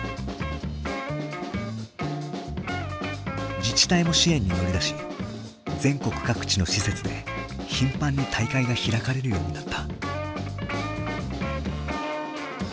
自治体も支援に乗り出し全国各地の施設で頻繁に大会が開かれるようになった。